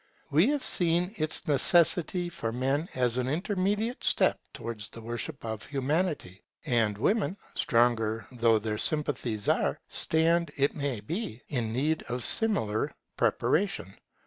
We have seen its necessity for men as an intermediate step towards the worship of Humanity; and women, stronger though their sympathies are, stand, it may be, in need of similar preparation.